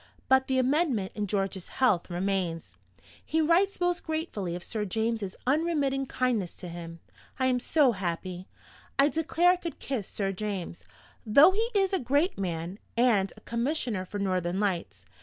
But the amendment in George's health remains. He writes most gratefully of Sir James's unremitting kindness to him. I am so happy, I declare I could kiss Sir James though he is a great man, and a Commissioner for Northern Lights!